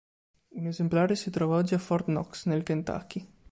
Un esemplare si trova oggi a Fort Knox, nel Kentucky.